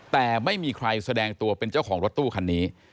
แต่ไม่มีใครแสดงตัวเป็นเจ้าของรถตู้คันนี้